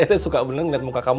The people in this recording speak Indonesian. itu suka bener ngeliat muka kamu